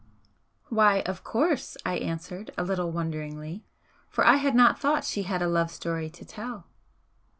"Why, of course!" I answered, a little wonderingly, for I had not thought she had a love story to tell.